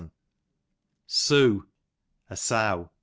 Soo, a sow.